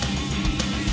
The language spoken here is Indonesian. terima kasih chandra